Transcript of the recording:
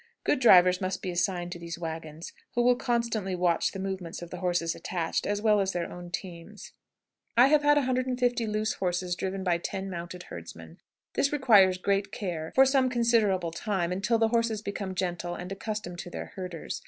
Good drivers must be assigned to these wagons, who will constantly watch the movements of the horses attached, as well as their own teams. I have had 150 loose horses driven by ten mounted herdsmen. This requires great care for some considerable time, until the horses become gentle and accustomed to their herders.